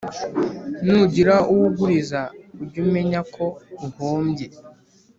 nugira uwo uguriza, ujye umenya ko uhombye